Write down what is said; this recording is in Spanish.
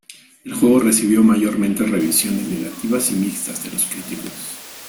El juego recibió mayormente revisiones negativas y mixtas de los críticos.